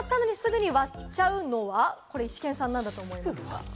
イシケンさん、なんだと思いますか？